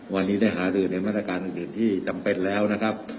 วันนี้ได้หารือในมาตรการอื่นที่จำเป็นแล้วนะครับ